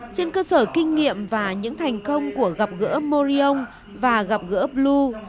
trên cơ sở kinh nghiệm và những thành công của gặp gỡ morion và gặp gỡ blue